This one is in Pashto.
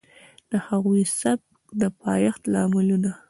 د هندي سبک د پايښت لاملونه